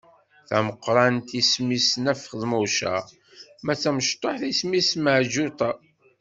Tameqrant isem-is Nna Feḍmuca, ma d tamecṭuḥt isem-is Meɛǧuṭa.